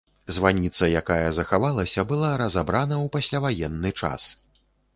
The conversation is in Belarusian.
Званіца, якая захавалася, была разабрана ў пасляваенны час.